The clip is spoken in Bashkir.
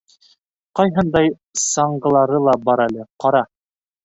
Ҡайһындай саңғылары ла бар әле, ҡара!